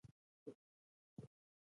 د مسیرونو جلا کول د وسایطو سرعت زیاتوي